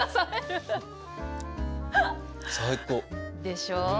でしょう？